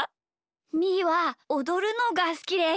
みーはおどるのがすきです。